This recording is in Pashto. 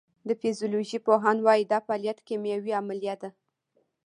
د فزیولوژۍ پوهان وایی دا فعالیت کیمیاوي عملیه ده